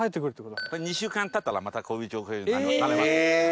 ２週間たったらまたこういう状況になります。